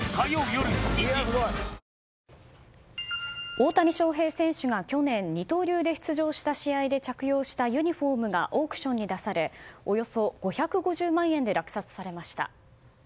大谷翔平選手が去年二刀流で出場した試合で着用したユニホームがオークションに出されおよそ５５０万円で落札されました。